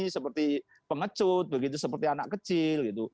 seperti pengecut begitu seperti anak kecil gitu